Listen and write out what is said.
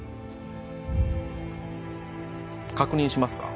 確認しますか？